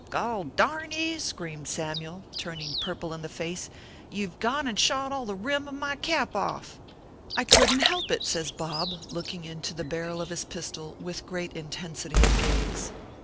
" Gaul darn ye !" screamed Samyule, turning pur ple in the face, " you ve gone and shot all the rim of my cap off." " I couldn t help it," says Bob, looking into the barrel of his pistol with great intensity of gaze.